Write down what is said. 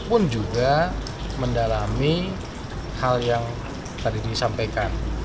pun juga mendalami hal yang tadi disampaikan